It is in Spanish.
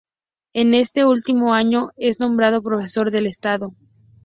En este último año es nombrado Profesor de Estado.